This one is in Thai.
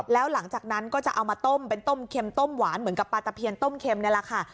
แล้วหลังจากนั้นก็จะเอามาต้มเป็นต้มเค็มต้มหวานเหมือนกับปลาตะเพียนต้มเค็มนี่แหละค่ะ